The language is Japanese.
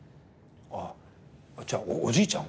あじゃあおじいちゃん？